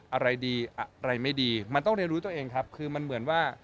อะไรดีอะไรไม่ดีมันต้องเรียนรู้ตัวเองครับคือมันเหมือนว่า